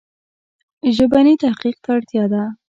ژبني تحقیق ته اړتیا ده.